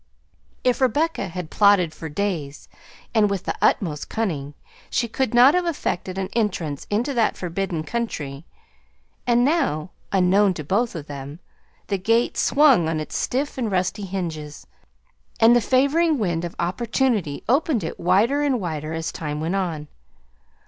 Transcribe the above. If Rebecca had plotted for days, and with the utmost cunning, she could not have effected an entrance into that forbidden country, and now, unknown to both of them, the gate swung on its stiff and rusty hinges, and the favoring wind of opportunity opened it wider and wider as time went on.